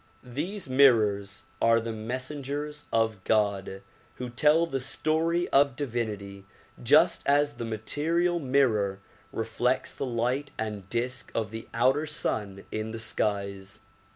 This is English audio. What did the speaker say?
These mirrors are the messengers of God who tell the story of divinity just as the material mirror reflects the light and disc of the outer sun in the skies.